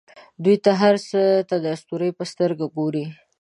دوی هر څه ته د اسطورې په سترګه ګوري.